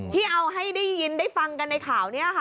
ที่เอาให้ได้ยินได้ฟังกันในข่าวนี้ค่ะ